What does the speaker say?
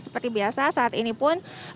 seperti biasa saat ini pun